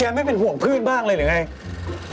แกไม่เป็นห่วงพืชบ้างเลยหรือไง